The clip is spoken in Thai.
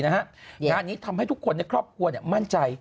งานนี้ทำให้ทุกคนในครอบครัวมั่นใจ